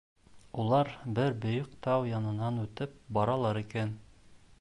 Улар бер бейек тау янынан үтеп баралар икән.